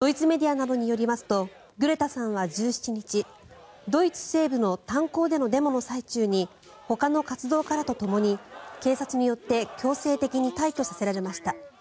ドイツメディアなどによりますとグレタさんは１７日ドイツ西部の炭鉱でのデモの最中にほかの活動家らとともに警察によって強制的に退去させられました。